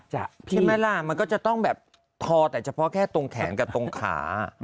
ใช่ไหมล่ะมันก็จะต้องแบบทอแต่เฉพาะแค่ตรงแขนกับตรงขา